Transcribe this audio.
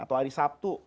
atau hari sabtu